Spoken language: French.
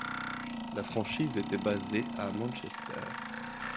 La franchise était basée à Manchester.